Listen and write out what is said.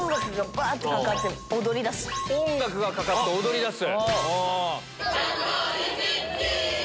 「音楽がかかって踊り出す」。